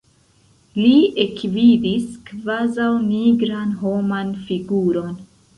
Li ekvidis kvazaŭ nigran homan figuron.